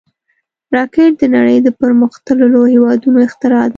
راکټ د نړۍ د پرمختللو هېوادونو اختراع ده